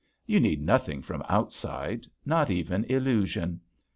You need nothing from outside, not even illusion.